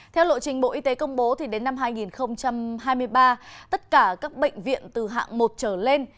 theo lộ trình bộ y tế công bố đến năm hai nghìn hai mươi ba tất cả các bệnh viện từ hạng một trở lên